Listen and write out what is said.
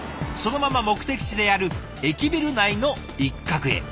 そのまま目的地である駅ビル内の一角へ。